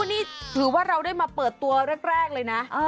นี่ถือว่าเราได้มาเปิดตัวแรกเลยนะ